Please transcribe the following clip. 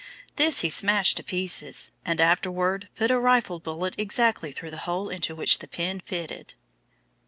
This he smashed to pieces, and afterward put a rifle bullet exactly through the hole into which the pin fitted."